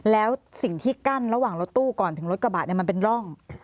แล้วสิ่งที่กั้นระหว่างรถตู้ก่อนถึงรถกระบะมันเป็นร่อง